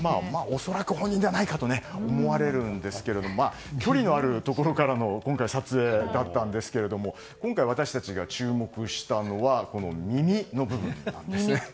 恐らく、本人ではないかと思われるんですけど距離のあるところからの今回の撮影だったんですけども今回、私たちが注目したのは耳の部分です。